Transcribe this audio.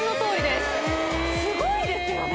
すごいですよね